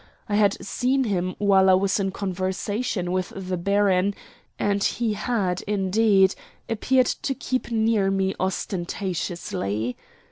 I had seen him while I was in conversation with the baron; and he had, indeed, appeared to keep near me ostentatiously.